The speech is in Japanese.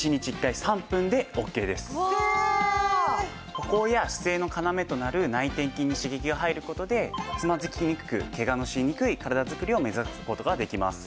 歩行や姿勢の要となる内転筋に刺激が入る事でつまずきにくくケガのしにくい体づくりを目指す事ができます。